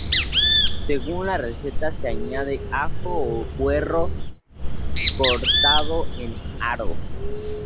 Según la receta se añade ajo o puerro cortado en aros.